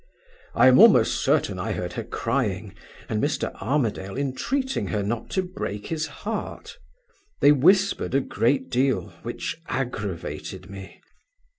I am almost certain I heard her crying, and Mr. Armadale entreating her not to break his heart. They whispered a great deal, which aggravated me.